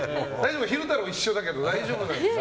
昼太郎一緒だけど大丈夫なんですかね。